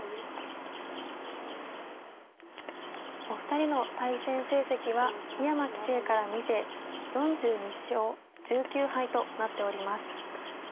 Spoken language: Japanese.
お二人の対戦成績は井山棋聖から見て４２勝１９敗となっております。